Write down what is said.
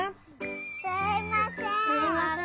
すいません。